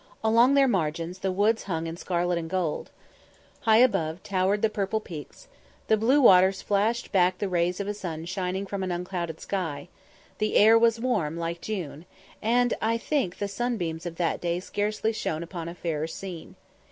Along their margins the woods hung in scarlet and gold high above towered the purple peaks the blue waters flashed back the rays of a sun shining from an unclouded sky the air was warm like June and I think the sunbeams of that day scarcely shone upon a fairer scene.